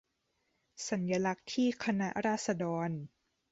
สัญลักษณ์ที่คณะราษฎร